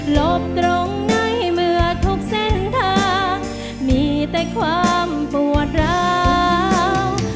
ลบตรงในเมื่อทุกเส้นทางมีแต่ความปวดร้าว